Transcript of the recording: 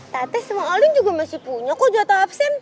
tate sama olin juga masih punya kok juga tak aksen